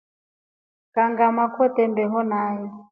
Kangama kwete mbeho nai.